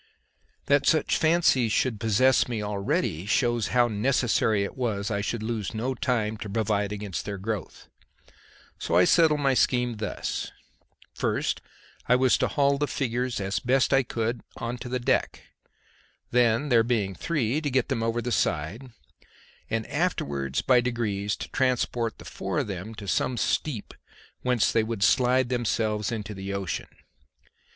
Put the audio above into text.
That such fancies should possess me already shows how necessary it was I should lose no time to provide against their growth; so I settled my scheme thus: first I was to haul the figures as best I could on to the deck; then, there being three, to get them over the side, and afterwards by degrees to transport the four of them to some steep whence they would slide of themselves into the ocean.